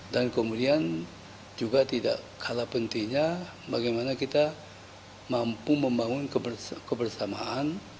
dan kemudian juga tidak kalah pentingnya bagaimana kita mampu membangun kebersamaan